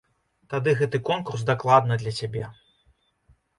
Тады гэты конкурс дакладна для цябе!